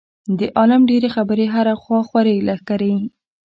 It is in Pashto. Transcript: د عالم ډېرې خبرې هره خوا خورې لښکرې.